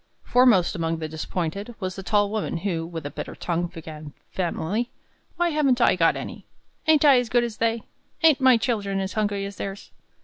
Foremost among the disappointed was the tall woman, who, with a bitter tongue, began vehemently: "Why haven't I got any? Ain't I as good as they? Ain't my children as hungry as theirs?"